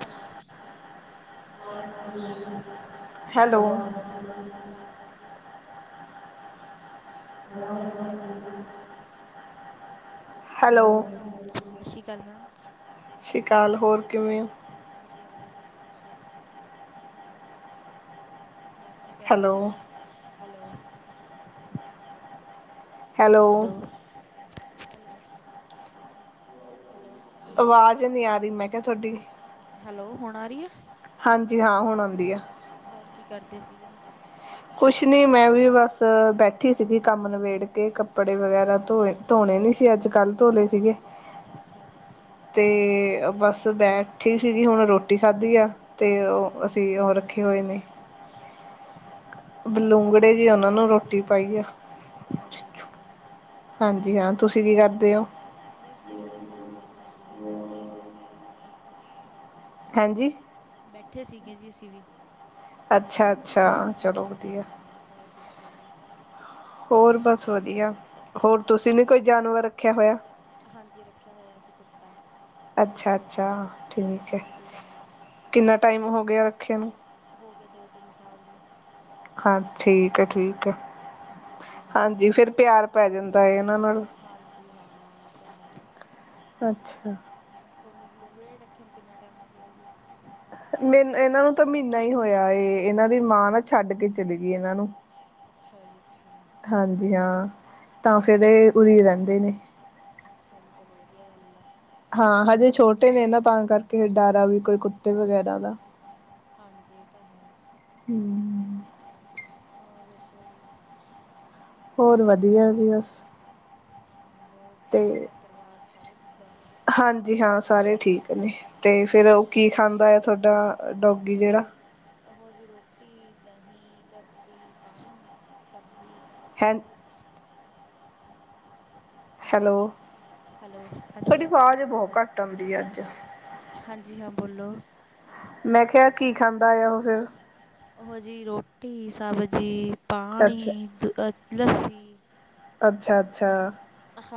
Hello hello hello. ਸਸ ਸ੍ਰੀ ਕਾਲ ਮੈਮ ਜੀ। [inaudible] ਹੈਲੋ। ਹੈਲੋ ਹੈਲੋ ਸਸ਼੍ਰੀ ਕਾਲ ਮੈਮ। ਸਸ਼੍ਰੀ ਕਾਲ ਹੋਰ ਕਿਵੇਂ ਓ? ਵਧੀਆ- ਵਧੀਆ ਤੁਸੀਂ ਦੱਸੋ? ਹੋਰ ਕੀ ਕਰਦੇ ਹੈਲੋ ਸੀਗੇ। Hello hello hello hello- hello. ਆਵਾਜ਼ ਨ੍ਹੀਂ ਆ ਰਹੀ ਮੈਂ ਕਿਹਾ ਥੋਡੀ ਹੈਲੋ, ਹੁਣ ਆ ਰਹੀ ਆ ਹਾਂਜੀ ਹਾਂ ਹੁਣ ਆਉਂਦੀ ਆ। ਹੋਰ ਕੀ ਕਰਦੇ ਸੀਗੇ? ਕੁਛ ਨੀ ਮੈਂ ਵੀ ਬਸ ਬੈਠੀ ਸੀਗੀ ਕੰਮ ਨਿਬੇੜ ਕੇ ਕੱਪੜੇ ਵਗੈਰਾ ਧੋਏ ਧੋਣੇ ਨ੍ਹੀਂ ਸੀ ਅੱਜ ਕੱਲ੍ਹ ਧੋਲੇ ਸੀਗੇ ਅੱਛਾ ਜੀ ਅੱਛਾ। ਤੇ ਬਸ ਬੈਠੀ ਸੀਗੀ ਹੁਣ ਰੋਟੀ ਖਾਧੀ ਆ ਤੇ ਅੱਛਾ ਉਹ ਜੀ ਅਸੀ ਅੱਛਾ ਉਹ ਰੱਖੇ ਹੋਏ ਨੇ ਬਲੂੰਗੜੇ ਜੇ ਉਹਨਾ ਨੂੰ ਰੋਟੀ ਪਾਈ ਆ। ਅੱਛਾ ਜੀ ਅੱਛਾ ਹਾਂਜੀ ਹਾਂ। ਹੋਰ ਤੁਸੀਂ ਕੀ ਕਰਦੇ ਹੋ? ਬਸ ਕੁਛ ਨਹੀ। ਅਸੀ ਵੀ ਬੈਠੇ ਸੀਗੇ ਜੀ। ਹੈਂਜੀ। ਬੈਠੇ ਸੀਗੇ ਜੀ ਅਸੀ ਵੀ। ਅੱਛਾ- ਅੱਛਾ। ਚਲੋ ਹਾਂਜੀ ਵਧੀਆ। ਹਾਂ ਹੋਰ ਦੱਸੋ ਜੀ? ਹੋਰ ਬਸ ਵਧੀਆ। ਹੋਰ ਅੱਛਾ ਤੁਸੀ ਨੀ ਜੀ ਕੋਈ ਜਾਨਵਰ ਰੱਖਿਆ ਹੋਇਆ? ਹਾਂਜੀ, ਰੱਖਿਆ ਹੋਇਆ ਸੀ ਕੁੱਤਾ। ਅੱਛਾ -ਅੱਛਾ। ਠੀਕ ਏ। ਹਾਂਜੀ ਹਾਂ ਕਿੰਨਾ ਟਾਈਮ ਹੋ ਗਿਆ ਰੱਖੇ ਨੂੰ? ਹੋ ਗਏ ਦੋ-ਤਿੰਨ ਸਾਲ ਜੀ। ਹਾਂ ਠੀਕ ਏ ਠੀਕ ਏ। ਹਾਂਜੀ ਹਾਂ ਹਾਂਜੀ, ਫਿਰ ਪਿਆਰ ਪੈ ਜਾਂਦਾ ਹੈ ਇਹਨਾਂ ਨਾਲ ਹਾਂਜੀ ਹਾਂ। ਇਹ ਤਾਂ ਹੈ। ਅੱਛਾ। ਥੋਨੂੰ ਬਲੂੰਗੜੇ ਰੱਖੇ ਨੂੰ ਕਿੰਨਾ ਟਾਈਮ ਹੋ ਗਿਆ ਜੀ? ਮਨ ਇਹਨਾਂ ਨੂੰ ਤਾਂ ਮਹੀਨਾ ਹੀ ਹੋਇਆ। ਇਹ ਇਹਨਾਂ ਦੀ ਮਾਂ ਨਾ ਛੱਡ ਕੇ ਚਲੇ ਗਈ ਇਹਨਾਂ ਨੂੰ। ਅੱਛਾ ਜੀ ਅੱਛਾ। ਹਾਂਜੀ ਹਾਂ। ਤਾਂ ਫਿਰ ਇਹ ਹਮ, ਉਰੀ ਰਹਿੰਦੇ ਨੇ। ਅੱਛਾ ਜੀ। ਚਲੋ ਵਧੀਆ ਗੱਲ ਆ। ਹਾਂ, ਹਜੇ ਛੋਟੇ ਨੇ ਨਾ ਤਾਂ ਕਰਕੇ ਹ ਡਰ ਵੀ ਕੋਈ ਕੁੱਤੇ ਵਗੈਰਾ ਦਾ। ਹਾਂਜੀ, ਇਹ ਤਾਂ ਹੈ। ਹਮ। ਹੋਰ ਦੱਸੋ ਜੀ? ਹੋਰ ਵਧੀਆ ਜੀ ਬਸ। ਅੱਛਾ, ਹੋਰ ਤੁਹਾਡੇ ਤੇ ਘਰ ਪਰਿਵਾਰ ਸਾਰੇ ਕਿੱਦਾਂ ਨੇ? ਹਾਂਜੀ ਹਾਂ। ਸਾਰੇ ਠੀਕ ਨੇ ਤੇ ਫਿਰ ਉਹ ਅੱਛਾ ਕੀ ਖਾਂਦਾ ਆ? ਥੋਡਾ ਡੋਗੀ ਜਿਹੜਾ। ਉਹੋ ਜਿਹੀ ਰੋਟੀ, ਦਹੀਂ, ਲੱਸੀ, ਪਾਣੀ, ਸਬਜ਼ੀ। ' [unintelligible] ਹਾਂਜੀ, ਹੈਲੋ ਹੈਲੋ। ਤੁਹਾਡੀ ਹਾਂਜੀ-ਹਾਂਜੀ। ਆਵਾਜ਼ ਬਹੁਤ ਘੱਟ ਆਉਂਦੀ ਹੈ ਅੱਜ ਹਾਂਜੀ ਹਾਂ ਬੋਲੋ? ਮੈਂ ਕਿਹਾ ਕੀ ਖਾਂਦਾ ਆ ਉਹ ਫਿਰ? ਉਹੋ ਜੀ ਰੋਟੀ, ਸਬਜ਼ੀ, ਅੱਛਾ ਪਾਣੀ, ਦ ਲੱਸੀ। ਅੱਛਾ-ਅੱਛਾ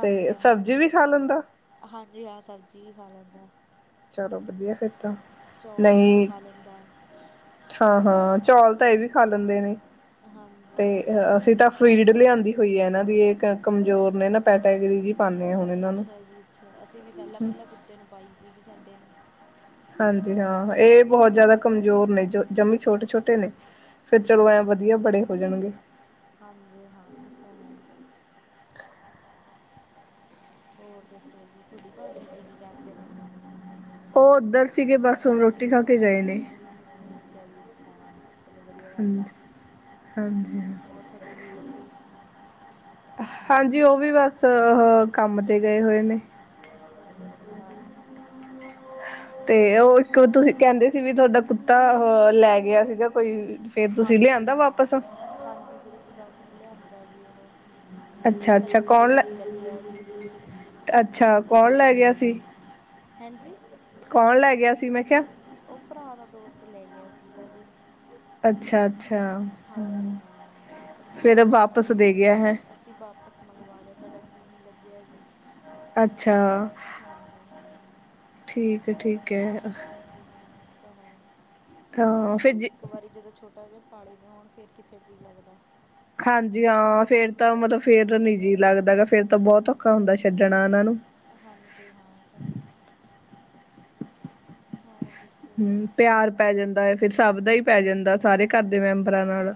ਤੇ ਹਾਂ ਸਬਜ਼ੀ ਵੀ ਖਾ ਲੈਂਦਾ? ਹਾਂਜੀ ਹਾਂ, ਸਬਜ਼ੀ ਵੀ ਖਾ ਲੈਂਦਾ। ਚਲੋ ਵਧੀਆ ਫਿਰ ਤਾਂ। ਚੌਲ-ਚੂਲ ਖਾ ਲੈਂਦਾ। ਹਾਂ-ਹਾਂ, ਚੌਲ ਤਾਂ ਇਹ ਵੀ ਖਾ ਲੈਂਦੇ ਨੇ, ਤੇ ਹਾਂਜੀ ਅਸੀਂ ਤਾਂ ਫੀਡ ਲਿਆਂਦੀ ਹੋਈ ਏ। ਇਹਨਾਂ ਦੀ ਇਹ ਕਮਜ਼ੋਰ ਨੇ ਨਾ ਪੈਟਗਰੀ ਜੀ। ਪਾਉਂਦੇ ਹਾਂ ਹੁਣ ਇਹਨਾਂ ਨੂੰ ਅੱਛਾ ਜੀ ਅੱਛਾ, ਅਸੀਂ ਵੀ ਪਹਿਲਾਂ ਪਹਿਲਾਂ ਕੁੱਤੇ ਨੂੰ ਪਾਈ ਸੀਗੀ ਸਾਡੇ ਨੂੰ। ਹਾਂਜੀ ਹਾਂ, ਇਹ ਬਹੁਤ ਜ਼ਿਆਦਾ ਹਾਂਜੀ ਕਮਜ਼ੋਰ ਨੇ ਜਮੀ ਛੋਟੇ-ਛੋਟੇ ਨੇ। ਫਿਰ ਅੱਛਾ ਚਲੋ ਐ ਜੀ ਵਧੀਆ ਵਡੇ ਹੋ ਜਾਣਗੇ। ਹਾਂਜੀ ਹਾਂ, ਇਹ ਤਾਂ ਹੈ। ਹੋਰ ਦੱਸੋ ਜੀ, ਤੁਹਾਡੀ ਭਾਬੀ ਜੀ ਕੀ ਕਰਦੇ ਨੇ? ਉਹ ਉੱਧਰ ਸੀਗੇ ਬੱਸ ਹੁਣ ਰੋਟੀ ਖਾ ਕੇ ਗਏ ਨੇ। ਅੱਛਾ ਜੀ ਅੱਛਾ। ਚਲੋ ਵਧੀਆ ਗੱਲ ਹਾਂਜੀ ਆ, ਹਾਂਜੀ ਹੋਰ ਤੁਹਾਡੇ ਵੀਰ ਜੀ। ਹਾਂਜੀ ਉਹ ਵੀ ਬੱਸ, ਅ ਕੰਮ ਤੇ ਗਏ ਹੋਏ ਨੇ। ਅੱਛਾ ਜੀ ਅੱਛਾ। ਤੇ ਉਹ ਇੱਕ ਤੁਸੀਂ ਕਹਿੰਦੇ ਸੀ, ਵੀ ਤੁਹਾਡਾ ਕੁੱਤਾ ਅ ਲੈ ਗਿਆ। ਸੀਗਾ ਕੋਈ ਫੇਰ, ਤੁਸੀਂ ਹਾਂਜੀ ਲਿਆਂਦਾ ਵਾਪਸ। ਹਾਂ ਹਾਂਜੀ, ਫਿਰ ਅਸੀਂ ਵਾਪਸ ਲਿਆਂਦਾ ਜੀ ਉਹਨੂੰ, ਅੱਛਾ ਸਾਡਾ ਅੱਛਾ ਕੌਣ ਜੀਅ ਲੈ ਨਹੀਂ ਲੱਗਿਆ ਜੀ। ਅੱਛਾ, ਕੌਣ ਲੈ ਗਿਆ ਸੀ। ਹੈਂਜੀ। ਕੌਣ ਲੈ ਗਿਆ ਸੀ, ਮੈਂ ਖਿਆ। ਉਹ ਭਰਾ ਦਾ ਦੋਸਤ, ਲੈ ਗਿਆ ਸੀਗਾ ਜੀ। ਅੱਛਾ-ਅੱਛਾ। ਹਾਂਜੀ ਹਾਂ, ਫਿਰ ਇਸ ਵਾਪਸ ਕਰਕੇ ਦੇ ਫਿਰ ਗਿਆ ਹੈ ਅਸੀਂ ਵਾਪਸ ਮੰਗਵਾ ਲਿਆ, ਸਾਡਾ ਜੀਅ ਨੀ ਲੱਗਿਆ ਜੀ। ਅੱਛਾ, ਹਾਂਜੀ ' ਹਾਂ [inaudible] ' ਠੀਕ ਐ-ਠੀਕ ਐ। ਜੀ ਹਾਂ, ਉਹ ਤਾਂ ਹੈ ਹੋਰ ਤਾਂ ਫਿਰ ਜ ਇੱਕ ਵਾਰੀ ਜਦੋਂ ਛੋਟਾ ਜਿਹਾ ਪਾਲੇ ਹੋਣ ਫਿਰ ਕਿੱਥੇ ਜੀਅ ਲੱਗਦਾ। ਹਾਂਜੀ ਹਾਂ, ਫੇਰ ਤਾਂ ਮਤਲਬ ਫੇਰ ਨੀ ਜੀ ਲੱਗਦਾ ਫੇਰ ਤਾਂ ਬਹੁਤ ਔਖਾ ਹਾਂਜੀ ਹੁੰਦਾ ਛੱਡਣਾ ਉਹਨਾਂ ਨੂੰ। ਹਾਂਜੀ ਹਾਂ, ਇਹ ਤੈ ਹੈ। ਹੋਰ ਦੱਸੋ ਜੀ ਹੂ ਪਿਆਰ ਪੈ ਜਾਂਦਾ ਐ ਫਿਰ ਸਭ ਦਾ ਹੀ ਪੈ ਜਾਂਦਾ ਸਾਰੇ ਘਰ ਦੇ ਮੈਂਬਰਾਂ ਨਾਲ।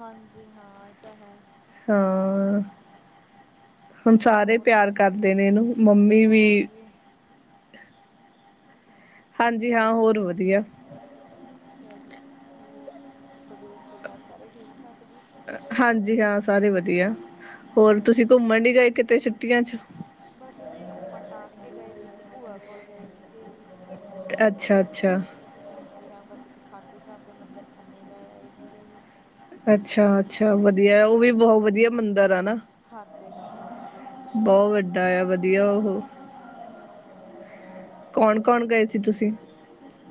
ਹਾਂਜੀ ਹਾਂ, ਇਹ ਤਾਂ ਹੈ। ਹਾਂ ' [inaudible] ' ਹੁਣ ਸਾਰੇ ਹੋਰ ਪਿਆਰ ਦੱਸੋ ਜੀ ਕਰਦੇ ਨੇ ਇਹਨੂੰ ਮੰਮੀ ਹੋਰ ਵੀ। ਜੀ ਹਾਂਜੀ ਅੱਛਾ ਹਾਂ ਜੀ। ਹੋਰ ਵਧੀਆ ਅੱਛਾ ਜੀ, ਹੋਰ ਤੁਹਾਡੀ ਰਿਸ਼ਤੇਦਾਰ ਸਾਰੇ ਠੀਕ-ਠਾਕ ਜੀ। ਹਾਂਜੀ ਹਾਂ, ਸਾਰੇ ਵਧੀਆ, ਹੋਰ ਅੱਛਾ ਤੁਸੀਂ ਜੀ ਘੁੰਮਣ ਨੀ ਗਏ ਕਿਤੇ ਛੁੱਟੀਆਂ 'ਚ'। ਬੱਸ ਅਸੀ, ਘੁੰਮਣ ਨਾਨਕੇ ਗਏ ਸੀ। ਇੱਕ ਭੂਆ ਕੋਲ ਗਏ ਸੀਗੇ ਜੀ। ਐ ਅੱਛਾ-ਅੱਛਾ। ਹਾਂਜੀ ਹਾਂ, ਬੱਸ ਇੱਕ ਖਾਟੂ ਸ਼ਾਮ ਦੇ ਮੰਦਿਰ ਖੰਨੇ ਜਾ ਆਏ ਸੀਗੇ ਜੀ। ਅੱਛਾ-ਅੱਛਾ ਵਧੀਆ, ਉਹ ਵੀ ਬਹੁਤ ਵਧੀਆ ਮੰਦਿਰ ਆ ਨਾ, ਹਾਂਜੀ ਹਾਂ ਬਹੁਤ ਵਧੀਆ ਬਹੁਤ ਵੱਡਾ ਆ ਵਧੀਆ ਉਹੋ। ਤੇ ਹੁਣ। ਕੌਣ-ਕੌਣ ਗਏ ਸੀ ਤੁਸੀਂ?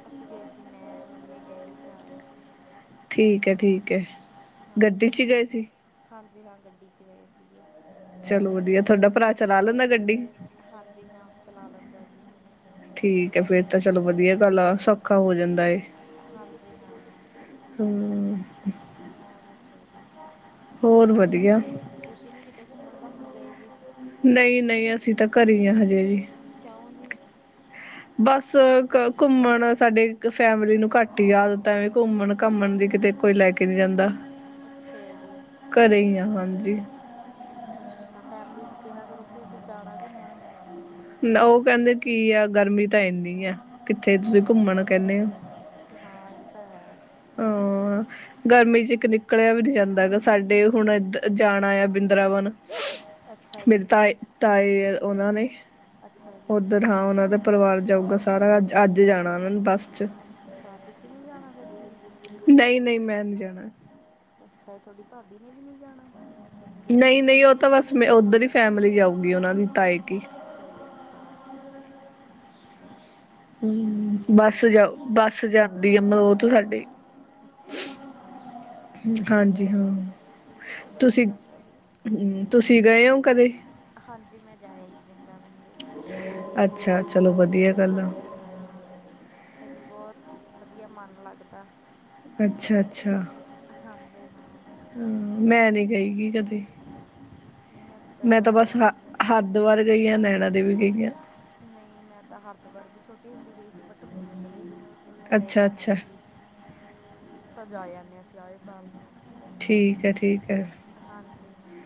ਅਸੀ ਗਏ ਸੀ। ਮੈਂ, ਮੰਮੀ, ਡੈਡੀ, ਭਰਾ ਹੀ। ਠੀਕ ਹੈ-ਠੀਕ ਹੈ। ਗੱਡੀ ਹਾਂਜੀ 'ਚ ਹੀ ਹਾਂ, ਗਏ ਸੀ ਹਾਂਜੀ ਹਾਂ। ਗੱਡੀ ਚ ਗਏ ਸੀਗੇ। ਚਲੋ ਵਧੀਆ, ਤੁਹਾਡਾ ਭਰਾ ਚਲਾ ਲੈਂਦਾ ਗੱਡੀ। ਹਾਂਜੀ ਹਾਂ ਚਲਾ ਲੈਂਦਾ ਜੀ। ਠੀਕ ਹੈ, ਫੇਰ ਤਾਂ ਚਲੋ ਵਧੀਆ ਗੱਲ ਆ ਸੌਖਾ ਹੋ ਜਾਂਦਾ ਏ। ਹਾਂਜੀ ਹਾਂ। ਹਮ। ਹੋਰ ਦੱਸੋ ਜੀ? ਹੋਰ ਵਧੀਆ। ਤੁਸੀਂ ਨੀ ਕਿਤੇ ਘੁੰਮਣ- ਘਾਮਣ ਗਏ ਜੀ? ਨਹੀ-ਨਹੀ ਅਸੀ ਤਾਂ ਘਰੇ ਹੀ ਹਜੇ ਜੀ। ਕਿਉਂ ਜੀ? ਬਸ, ਘੁੰਮਣ ਸਾਡੇ ਫੈਮਲੀ ਨੂੰ ਘੱਟ ਆਦਤ ਆ ਘੁੰਮਣ- ਘਾਮਣ ਦੀ ਕਿਤੇ ਕੋਈ ਲੈ ਕੇ ਨੀ ਜਾਂਦਾ। ਅੱਛਾ ਜੀ। ਘਰੇ ਹੀ ਆ ਹਾਂਜੀ। ਹਮ, ਅੱਛਾ ਫੈਮਲੀ ਨੂੰ ਕਿਹਾ ਕਰੋ। ਕਿ ਅਸੀਂ ਜਾਣਾ ਘੁੰਮਣ? ਉਹ ਕਹਿੰਦੇ ਕੀ ਆ ਗਰਮੀ ਤਾਂ ਇੰਨੀ ਆ ਕਿੱਥੇ ਤੁਸੀਂ ਘੁੰਮਣ ਕਹਿੰਨੇ ਹੋ? ਹਾਂ, ਇਹ ਤਾਂ ਹੈ। ਆ। ਗਰਮੀ ਚ ਇੱਕ ਨਿਕਲਿਆ ਵੀ ਨਹੀਂ ਜਾਂਦਾਗਾ ਸਾਡੇ ਹੁਣ ਇ ਜਾਣਾ ਆ ਬਿੰਦਾਰਾਵਨ। ਅੱਛਾ ਮੇਰੇ ਜੀ, ਤਾਏ, ਤਾਏ ਉਹਨਾਂ ਨੇ ਅੱਛਾ ਜੀ ਉੱਧਰ ਅੱਛਾ। ਹਾਂ ਉਹਨਾਂ ਦਾ ਪਰਿਵਾਰ ਜਾਊਗਾ ਸਾਰਾ ਅੱਜ-ਅੱਜ ਜਾਣਾ ਉਹਨਾਂ ਨੂੰ ਬੱਸ ਚ ਅੱਛਾ, ਤੁਸੀ ਨੀ ਜਾਣਾ ਫਿਰ ਜੀ। ਨਹੀ- ਨਹੀ ਮੈਂ ਨੀ ਜਾਣਾ। ਅੱਛਾ, ਤੁਹਾਡੀ ਭਾਬੀ ਨੇ ਵੀ ਨੀ ਜਾਣਾ। ਨਹੀ-ਨਹੀ ਉਹ ਤਾਂ ਬਸ ਮ ਉੱਧਰ ਹੀ ਫੈਮਿਲੀ ਜਾਊਗੀ ਉਹਨਾਂ ਦੀ ਤਾਏ ਕਿ। ਅੱਛਾ ਜੀ ਅੱਛਾ। ਚਲੋ ਹਮ ਵਧੀਆ ਬੱਸ ਗੱਲ ਆ ਜਾਓ ਜੀ। ਬੱਸ ਜਾਂਦੀ ਆ ਮਲੋ ਤੋਂ ਸਾਡੀੇ। ਅੱਛਾ ਜੀ ਅੱਛਾ। ਹਾਂਜੀ ਹਾਂ, ਚਲੋ ਵਧੀਆ ਗੱਲ ਆ ਜੀ। ਤੁਸੀ-ਤੁਸੀ ਗਏ ਹੋ ਕਦੇ। ਹਾਂਜੀ ਮੈਂ ਜਾ ਆਇ ਵ੍ਰਿੰਦਾਵਨ ਜੀ। ਅੱਛਾ ਚਲੋ ਵਧੀਆ। ਗੱਲ ਆ ਹਾਂਜੀ ਹਾਂ ਇੱਥੇ ਵੀ ਬਹੁਤ ਵਧੀਆ ਮਨ ਲੱਗਦਾ। ਅੱਛਾ ਅੱਛਾ। ਹਾਂਜੀ ਹਾਂ। ਹਾਂ ਮੈਂ ਨੀ ਗਈ ਗੀ ਕਦੇ, ਨਹੀਂ ਅਸੀਂ ਮੈਂ ਜਾ ਤਾਂ ਬਸ ਹ ਆਏ ਜੀ ਹਰਿ ਦੁਆਰ ਗਈਆ ਨੈਣਾ ਦੇਵੀ ਗਈ ਆ। ਨਹੀਂ ਮੈਂ ਤਾਂ ਹਰਦਵਾਰ ਵੀ ਛੋਟੀ ਹੁੰਦੀ ਗਈ ਸੀ ਬਟ ਹੁਣ ਨੀ ਗਈ। ਤੇ ਅੱਛਾ ਨੈਣਾ ਅੱਛਾ ਦੇਵੀ, ਤਾਂ ਜਾਂਦੇ ਆਨੇ ਆਏ ਸਾਲ ਠੀਕ ਹੈ, ਠੀਕ ਹੈ। ਹਾਂਜੀ ਹਾਂ।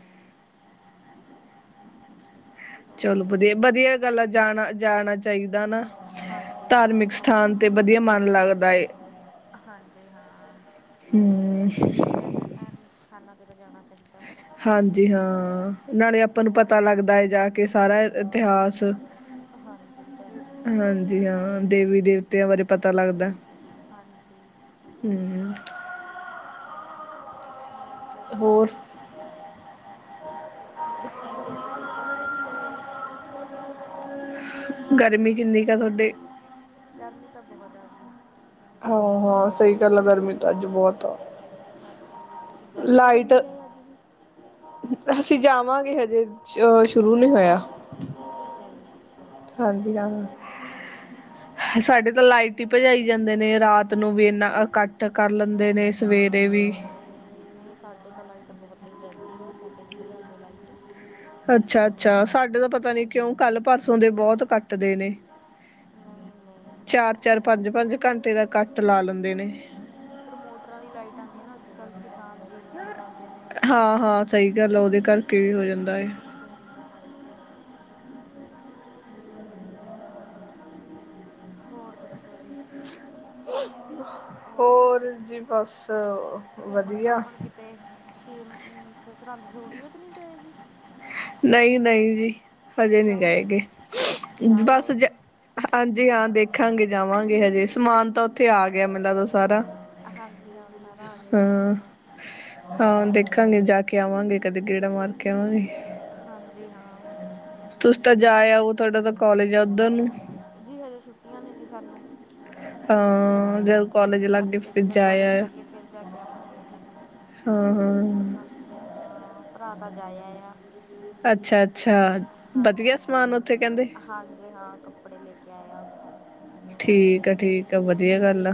ਹੋਰ ਚਲੋ ਵਧੀਆ- ਦੱਸੋ ਜੀ ਵਧੀਆ ਗੱਲਾਂ ਜਾਣਾ- ਜਾਣਾ ਚਾਹੀਦਾ ਨਾ। ਹਾਂਜੀ ਹਾਂ ਇਹ ਧਾਰਮਿਕ ਤਾਂ ਹੈ ਸਥਾਨ ਤੇ ਵਧੀਆ ਮਨ ਲੱਗਦਾ ਏ। ਹਾਂਜੀ ਹਾਂ, ਹੂੰ ਇਹ ਤਾਂ ਹੈ ਧਾਰਮਿਕ ਸਥਾਨਾਂ ਤੇ ਤਾਂ ਜਾਣਾ ਚਾਹੀਦਾ। ਹਾਂਜੀ ਹਾਂ ਨਾਲੇ ਆਪਾਂ ਨੂੰ ਹਾਂਜੀ ਪਤਾ ਲੱਗਦਾ ਏ ਜਾ ਕੇ ਸਾਰਾ ਇਤਿਹਾਸ। ਹਾਂਜੀ ਇਹ ਤਾਂ ਹੈ ਹਾਂਜੀ ਹਾਂ, ਦੇਵੀ ਦੇਵਤਿਆਂ ਬਾਰੇ ਪਤਾ ਲੱਗਦਾ। ਹਾਂਜੀ। ਹਮ। ਹੋਰ ਦੱਸੋ? ਹੋਰ ਤੁਸੀ ਅੱਜ ਗੁਰਦੁਆਰੇ ਨੀ ਗਏ ਜੀ। ਗਰਮੀ ਕਿੰਨੀ ਕੁ ਆ ਸੋਡੇ। ਗਰਮੀ ਤਾਂ ਬਹੁਤ ਆ ਜੀ। ਹਾਂ- ਹਾਂ ਸਹੀ ਗੱਲ ਆ ਗਰਮੀ ਤਾਂ ਅੱਜ ਬਹੁਤ ਆ। ਹਾਂਜੀ, ਤੁਸੀਂ ਗੁਰਦੁਆਰੇ ਨਹੀ ਗਏ ਅੱਜ ਜੀ। ਅਸੀ ਜਾਵਾਂਗੇ ਹਜੇ ਅ ਸ਼ੁਰੂ ਨੀ ਹੋਇਆ। ਅੱਛਾ ਜੀ ਅੱਛਾ। ਹਾਂਜੀ ਹਾਂ। [inaudible] ਸਾਡੇ ਤਾਂ ਲਾਈਟ ਹੀ ਭਜਾਈ ਜਾਂਦੇ ਨੇ ਰਾਤ ਨੂੰ ਵੀ ਏਨਾ ਕੱਟ ਕਰ ਲੈਂਦੇ ਨੇ। ਸਵੇਰੇ ਵੀ। ਨਹੀ ਸਾਡੇ ਤਾਂ ਲਾਈਟ ਬਹੁਤ ਰਹਿੰਦੀ ਆ ਸਾਡੇ ਨਹੀ ਭਜਾਉਂਦੇ ਲਾਈਟ। ਅੱਛਾ- ਅੱਛਾ, ਸਾਡੇ ਤਾਂ ਪਤਾ ਨੀ ਕਿਉਂ ਹਾਂਜੀ ਕੱਲ ਪਰਸੋਂ ਦੇ ਬਹੁਤ ਕੱਟਦੇ ਨੇ। ਨਹੀਂ ਨਹੀਂ ਚਾਰ- ਚਾਰ, ਪੰਜ- ਸਾਡੇ ਪੰਜ ਨਹੀਂ ਘੰਟੇ ਦਾ ਕੱਟ ਲਾ ਲੈਂਦੇ ਨੇ। ਫਿਰ ਮੋਟਰਾਂ ਦੀ ਲਾਈਟ ਆਉਂਦੀ ਆ ਨਾ ਅੱਜ ਕੱਲ੍ਹ ਕਿਸਾਨ ਜੀਰੀਆਂ ਲਗਾਉਂ ਹਾਂ-ਹਾਂ ਸਹੀ ਗੱਲ ਆ, ਉਹਦੇ ਕਰਕੇ ਵੀ ਹੋ ਜਾਂਦਾ ਹੈ। ਕਿ ਹੋ ਜਾਂਦਾ, ਹਾਂਜੀ ਹਾਂ। ਹੋਰ ਦੱਸੋ ਜੀ? ਹੋਰ ਜੀ ਬਸ ਵਧੀਆ। ਕਿਤੇ। ਤੁਸੀ ਸਰਹੰਦ ਹਜੂਰੀ ਵਿੱਚ ਨਹੀ ਗਏ ਜੀ। ਨਹੀ- ਨਹੀ, ਜੀ ਹਜੇ ਨਹੀ ਕਿਉਂ ਗਏ ਜੀ ਗੇ ਬਸ ਜਾਇਓ ਜ ਜੀ ਹਾਂਜੀ ਹਾਂ ਦੇਖਾਂਗੇ ਜਾਵਾਂਗੇ ਹਜੇ ਸਮਾਨ ਤਾਂ ਉਥੇ ਆ ਗਿਆ ਮੈਨੂੰ ਲਗਦਾ ਸਾਰਾ। ਹਾਂਜੀ ਹਾਂ ਸਾਰਾ ਆ ਗਿਆ ਸਮਾਨ ਹਾਂ ਤਾਂ। ਹਾਂ ਦੇਖਾਂਗੇ ਜਾ ਕੇ ਆਵਾਂਗੇ ਕਦੇ ਗੇੜਾ ਮਾਰ ਕੇ ਆਵਾਂਗੇ। ਹਾਂਜੀ ਹਾਂ। ਤੁਸੀ ਤਾਂ ਜਾਇਉਂ ਥੋੜਾ ਤਾਂ ਕਾਲਜ ਆ ਉਧਰ ਨੂੰ। ਜੀ ਹਜੇ ਛੁੱਟੀਆਂ ਨੇ ਜੀ ਸਾਨੂੰ। ਹਾਂ ਜ ਇਸ ਕਰਕੇ ਜਦੋਂ ਕਾਲਜ ਲੱਗੇ ਫਿਰ ਜਾ ਕੇ ਆਵਾਂਗੇ ਜੀ ਹਾਂ ਹਾਂ ਹਾਂਜੀ। ਤੇ ਹਾਂ ਭਰਾ ਤਾਂ ਜਾਇਆ ਆ। ਅੱਛਾ ਅੱਛਾ ਵਧੀਆ ਹਾਂਜੀ ਹਾਂ, ਸਮਾਨ ਉੱਥੇ ਕਹਿੰਦੇ ਹਾਂਜੀ ਹਾਂ। ਕੱਪੜੇ ਲੈ ਕੇ ਆਇਆ ਉੱਥੋਂ। ਠੀਕ ਆ ਠੀਕ ਆ ਵਧੀਆ ਗੱਲ ਆ,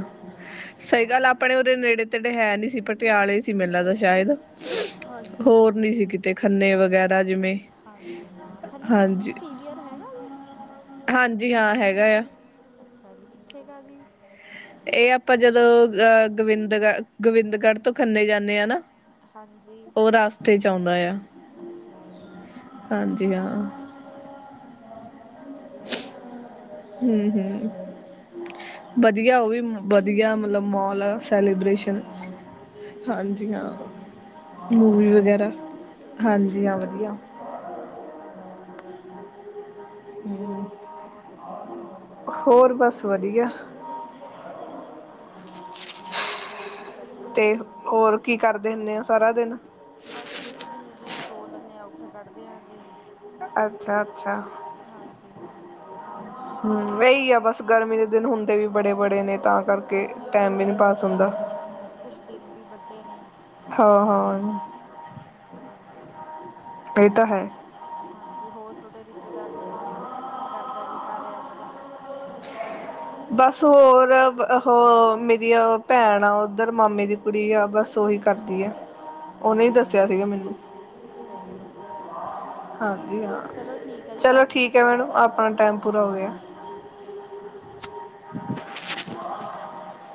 ਹਾਂਜੀ ਸਹੀ ਗੱਲ ਹਾਂ ਆਪਣੇ ਉਹਦੇ ਨੇੜੇ ਤੇੜੇ ਹੈ ਨੀ ਸੀ ਪਟਿਆਲੇ ਸੀ ਮੈਨੂੰ ਲਗਦਾ ਸ਼ਾਇਦ। ਹਾਂਜੀ ਹੋਰ ਨੀ ਸੀ ਕਿਤੇ ਖੰਨੇ ਵਗੈਰਾ ਜਿਵੇਂ ਹਾਂਜੀ ਹਾਂ, ਖੰਨੇ ਤੁਹਾਡੇ ਸੱਚ ਹਾਂਜੀ ਪੀਵੀਅਰ ਹੈਗਾ ਜ ਹਾਂਜੀ ਹਾਂ ਹੈਗਾ ਆ। ਅੱਛਾ ਜੀ, ਕਿੱਥੇ ਕ ਆ ਜੀ। ਇਹ ਆਪਾਂ ਜਦੋਂ ਅਹ ਗੋਬਿੰਦਗੜ ਗੋਬਿੰਦਗੜ੍ਹ ਤੋਂ ਖੰਨੇ ਜਾਂਣੇ ਆ ਨਾ। ਹਾਂਜੀ ਉਹ ਰਸਤੇ 'ਚ' ਆਉਂਦਾ ਆ। ਅੱਛਾ ਜੀ। ਹਾਂਜੀ ਹਾਂ। ਵਧੀਆ ਗੱਲ ਆ ਜੀ। ਹਮ-ਹਮ। ਵਧੀਆ ਉਹ, ਵਧੀਆ ਮਤਲਬ ਮੋਲ ਆ ਸੈਲੀਬਰੇਸ਼ਨ। ਅੱਛਾ ਜੀ ਹਾਂਜੀ ਹਾਂ, ਵਧੀਆ ਮੂਵੀ ਗੱਲ ਆ ਵਗੈਰਾ, ਜੀ ਹਾਂਜੀ ਹਾਂ ਵਧੀਆ। ਹਾਂਜੀ। ਇਹ ਤਾਂ ਹੈ। ਹਮ। ਹੋਰ ਦੱਸੋ ਜੀ ਹੋਰ ਬੱਸ ਵਧੀਆ। ਅੱਛਾ ਹੋਰ ਕੀ ਕਰਦੇ ਤੇ ਸੀਗੇ ਹੋਰ ਕੀ ਕਰਦੇ ਹੁੰਦੇ ਆ ਸਾਰਾ ਦਿਨ। ਬੱਸ ਕੁਛ ਵੀ ਨੀ ਜੀ ਸੋ ਲੈਣੇ ਆ ਉੱਠ ਖੱੜਦੇ ਆ ਜੀ। ਅੱਛਾ-ਅੱਛਾ। ਹਾਂਜੀ ਹਾਂ ਇਹੀ ਆ ਬੱਸ ਗਰਮੀ ਦੇ ਦਿਨ ਹੁੰਦੇ ਵੀ ਬੜੇ-ਬੜੇ ਨੇ ਤਾਂ ਕਰਕੇ ਟਾਈਮ ਵੀ ਨਹੀਂ ਪਾਸ ਹੁੰਦਾ। ਕੁਝ ਦਿਨ ਵੀ ਵੱਡੇ ਨੇ। ਹਾਂ-ਹਾਂ। ਇਹ ਤਾਂ ਹੈ। ਇਹ ਤਾਂ ਹੈ। ਹਾਂਜੀ ਹੋਰ ਤੁਹਾਡੇ ਰਿਸ਼ਤੇਦਾਰ 'ਚ' ਕੌਣ-ਕੌਣ ਇਹ ਕੰਮ ਕਰਦਾ, 'ਕਾਰਿਆ' ਐਪ ਦਾ। ' [inaudible] ਬੱਸ ਹੋਰ ਉਹ ਮੇਰੀ ਆ ਭੈਣ ਆ ਉੱਧਰ ਮਾਮੇ ਦੀ ਕੁੜੀ ਆ ਬੱਸ। ਸੋਹੀ ਅੱਛਾ ਕਰਦੀ ਆ ਜੀ ਉਹਨੇ ਹੀ ਅੱਛਾ ਜੀ ਦੱਸਿਆ ਅੱਛਾ ਸੀਗਾ ਮੈਨੂੰ। ਅੱਛਾ ਜੀ, ਚਲੋ ਵਧੀਆ ਗੱਲ ਆ ਜੀ। ਹਾਂਜੀ ਹਾਂ, ਚਲੋ ਠੀਕ ਆ ਜੀ ਚਲੋ ਦਸ ਮਿੰਟ ਠੀਕ ਹੈ ਪੂਰੇ ਹੋ ਮੈਡਮ ਗਏ ਆਪਣੇ ਆਪਣਾ ਟਾਈਮ ਹਾਂ ਪੂਰਾ ਹੋ ਗਿਆ। ਠੀਕ ਐ, ਓਕੇ। ' [inaudible]